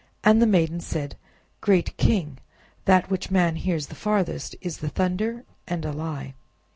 And the maiden answered— "Great king! that which man hears the farthest is the thunder, and a lie."